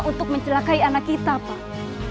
untuk mencelakai anak kita pak